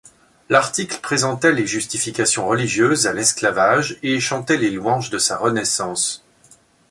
L'article présentait les justifications religieuses à l'esclavage et chantait les louanges de sa renaissance.